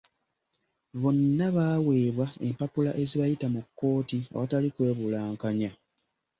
Bonna baaweebwa empapula ezibayita mu kkooti awatali kwe bulankanya.